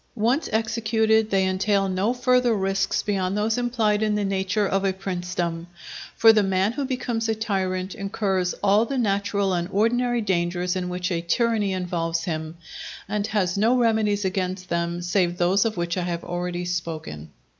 Once executed, they entail no further risks beyond those implied in the nature of a princedom. For the man who becomes a tyrant incurs all the natural and ordinary dangers in which a tyranny involves him, and has no remedies against them save those of which I have already spoken.